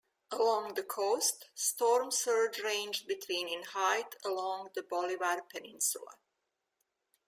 Along the coast, storm surge ranged between in height along the Bolivar Peninsula.